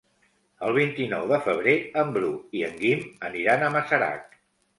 El vint-i-nou de febrer en Bru i en Guim aniran a Masarac.